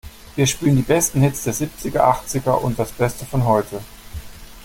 Wir spielen die besten Hits der Siebziger, Achtziger und das Beste von heute!